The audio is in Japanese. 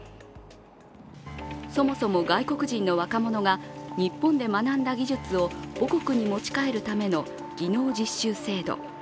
そもそも外国人の若者が日本で学んだ技術を母国に持ち帰るための技能実習制度。